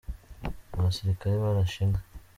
Abasirikare barashe inka.